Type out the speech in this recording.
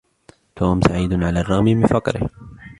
توم سعيدٌ على الرّغم من فقره.